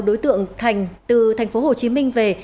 đối tượng thành từ tp hcm về